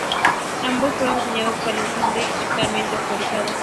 Ambos fueron diseñados para el ensamble totalmente automatizado.